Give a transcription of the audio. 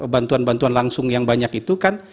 bantuan bantuan langsung yang banyak itu kan